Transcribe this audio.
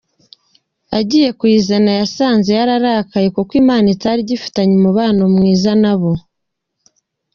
Abagiye kuyizana basanze yararakaye, kuko Imana itari igifitanye umubano mwiza na bo.